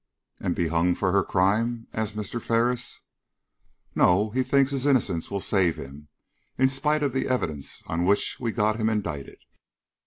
"And be hung for her crime?" asked Mr. Ferris. "No; he thinks his innocence will save him, in spite of the evidence on which we got him indicted."